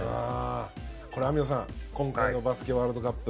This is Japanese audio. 網野さん、今回のバスケワールドカップ。